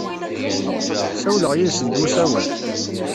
Ssawleɣ yid-s deg usawal.